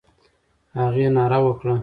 هغې ناره وکړه.